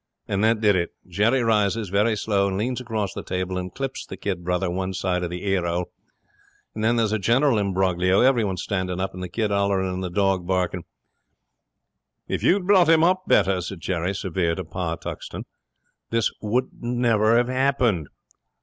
'And that did it. Jerry rises, very slow, and leans across the table and clips the kid brother one side of the ear 'ole. And then there's a general imbroglio, everyone standing up and the kid hollering and the dog barking. '"If you'd brought him up better," says Jerry, severe, to Pa Tuxton, "this wouldn't ever have happened."